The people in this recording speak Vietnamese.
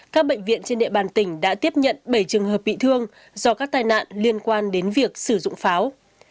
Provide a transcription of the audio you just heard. các bệnh viện trên địa bàn tỉnh đã tiếp nhận bảy trường hợp bị thương do các tai nạn liên quan đến việc sử dụng pháo